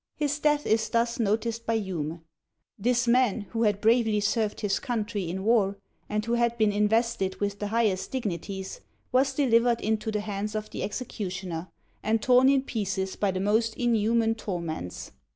His death is thus noticed by Hume: "This man, who had bravely served his country in war, and who had been invested with the highest dignities, was delivered into the hands of the executioner, and torn in pieces by the most inhuman torments.